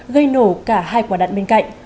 gây nổ cả hai quả đạn bên cạnh